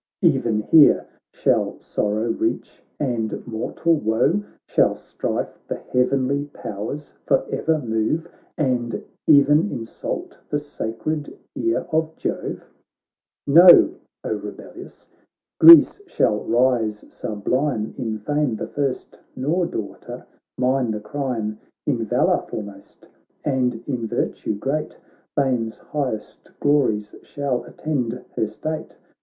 E'en here shall sorrow reach and mortal woe ? Shall strife the heavenly powers for ever move, And e'en insult the sacred ear of Jove 1 Know, O rebellious, Greece shall rise sublime, In fame the first, nor, daughter, mine the crime, In valour foremost, and in virtue great : Fame's highest glories shall attend her state.